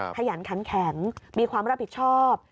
ขยันขันแข็งมีความรับผิดชอบ